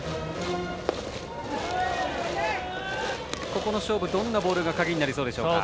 ここの勝負、どんなボールが鍵になりそうでしょうか。